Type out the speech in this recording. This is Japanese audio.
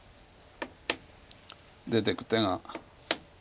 出ていく手が。